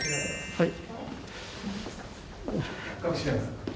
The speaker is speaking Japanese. はい。